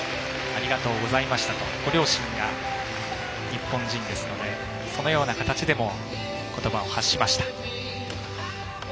ありがとうございましたとご両親が日本人ですのでそのような形でも言葉を発しました。